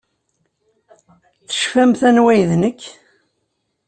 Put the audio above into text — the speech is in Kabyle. Tecfamt anwa ay d nekk?